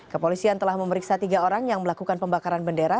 kepolisian telah memeriksa tiga orang yang melakukan pembakaran bendera